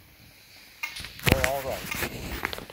You're all right.